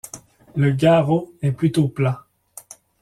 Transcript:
Le garrot est plutôt plat.